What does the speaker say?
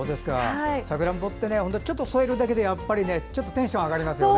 さくらんぼってちょっと添えるだけでテンション上がりますよね